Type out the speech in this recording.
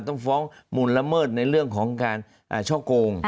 ต้องฟ้องหมุนละเมิดในเรื่องของการช่อโกง